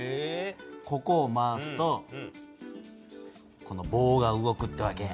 ここを回すとこの棒が動くってわけ。